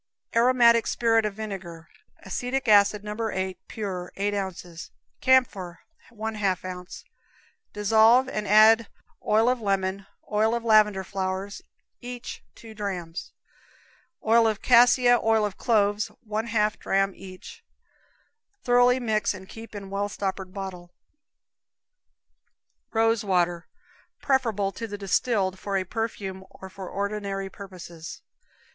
Aromatic Spirit of Vinegar. Acetic acid, No. 8. pure, 8 ounces; camphor, 1/2 ounce. Dissolve and add oil lemon, oil lavender flowers, each two drams; oil cassia, oil cloves, 1/2 dram each. Thoroughly mix and keep in well stoppered bottle. Rose Water. Preferable to the distilled for a perfume, or for ordinary purposes.